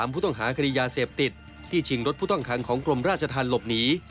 ผู้ต้องหาคดียาเสพติดที่ชิงรถผู้ต้องขังของกรมราชธรรมหลบหนี